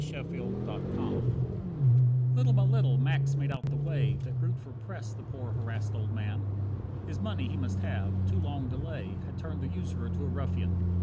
12 Little by little Max made out the way That Grootver pressed that poor harassed old man. His money he must have, too long delay Had turned the usurer to a ruffian.